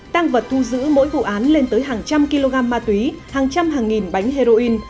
tăng vật thu giữ mỗi vụ án lên tới hàng trăm kg ma túy hàng trăm hàng nghìn bánh heroin